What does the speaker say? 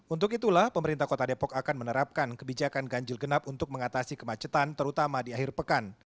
untuk itulah pemerintah kota depok akan menerapkan kebijakan ganjil genap untuk mengatasi kemacetan terutama di akhir pekan